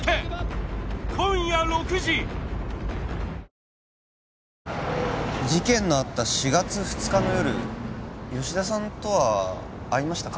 さあね事件のあった４月２日の夜吉田さんとは会いましたか？